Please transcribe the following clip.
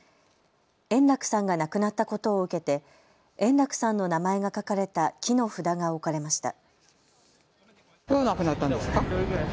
円楽さんが亡くなったことを受けて円楽さんの名前が書かれた木の札が置かれました。